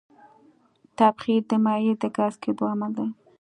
تبخیر د مایع د ګاز کېدو عمل دی.